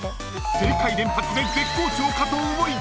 ［正解連発で絶好調かと思いきや］